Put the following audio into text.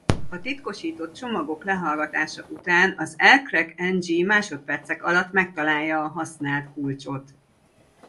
A titkosított csomagok lehallgatása után az aircrack-ng másodpercek alatt megtalálja a használt kulcsot.